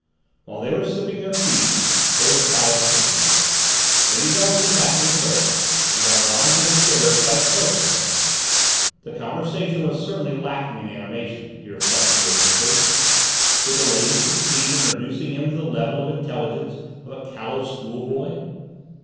While they were sipping their tea, there was silence between them. Lady Beltham went back to the sofa, and Valgrand took a chair quite close to her. The conversation was certainly lacking in animation, he reflected whimsically; would the lady succeed in reducing him to the level of intelligence of a callow schoolboy?